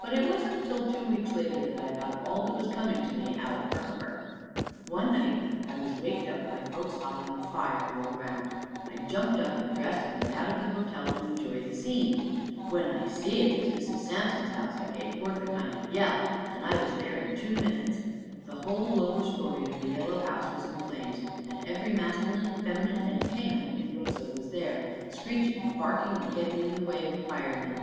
But it wasn't till two weeks later that I got all that was coming to me out of Herkimer. One night I was waked up by folks hollering "Fire!" all around. I jumped up and dressed and went out of the hotel to enjoy the scene. When I see it was Mrs. Sampson's house, I gave forth a kind of yell, and I was there in two minutes. The whole lower story of the yellow house was in flames, and every masculine, feminine, and canine in Rosa was there, screeching and barking and getting in the way of the firemen.